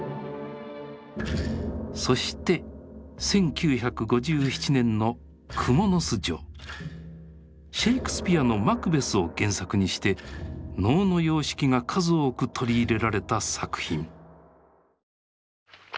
そして１９５７年のシェイクスピアの「マクベス」を原作にして能の様式が数多く取り入れられた作品。